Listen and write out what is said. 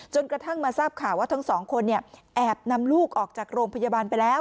กระทั่งมาทราบข่าวว่าทั้งสองคนแอบนำลูกออกจากโรงพยาบาลไปแล้ว